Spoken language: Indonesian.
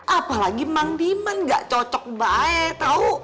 apalagi mandiman nggak cocok baik tau